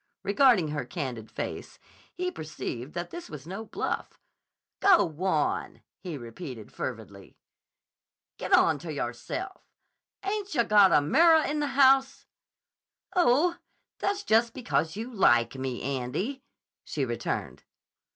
Regarding her candid face, he perceived that this was no bluff. "Go wan!" he repeated fervidly. "Get onto yahrself. Ain't yah got a mirrah in the house?" "Oh, that's just because you like me, Andy," she returned.